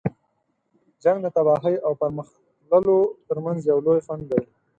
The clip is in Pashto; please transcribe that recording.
جنګ د تباهۍ او پرمخ تللو تر منځ یو لوی خنډ دی.